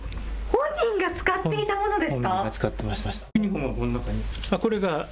本人が使っていたものですか。